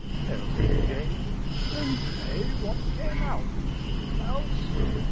L.C.J. And pray what came out a mouse? _S.